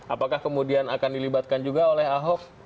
apakah kemudian akan dilibatkan juga oleh ahok